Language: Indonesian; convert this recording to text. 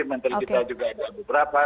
menteri kita juga ada beberapa